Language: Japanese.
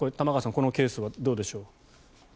このケースはどうでしょう。